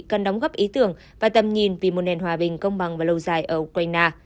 cần đóng góp ý tưởng và tầm nhìn vì một nền hòa bình công bằng và lâu dài ở ukraine